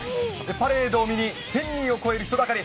パレードを見に、１０００人を超える人だかり。